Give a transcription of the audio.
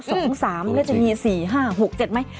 ๒๓แล้วจะมี๔๕๖๗ไหม